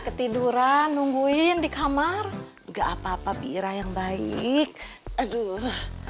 ketiduran nungguin di kamar gak apa apa bira yang baik aduh